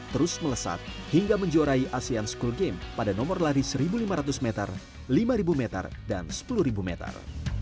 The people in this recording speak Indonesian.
terus melesat hingga menjuarai asean school game pada nomor lari satu lima ratus meter lima meter dan sepuluh meter